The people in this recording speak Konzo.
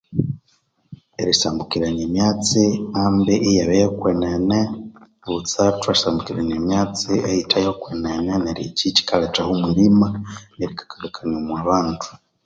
Erisambukirania emyatsi ambi iyabya yokwenene butsi erisambukirania eyithe yokwenene ekikyikalhethaho omwirima nerikakania omwabandu